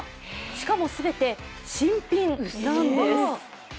しかも全て新品なんです。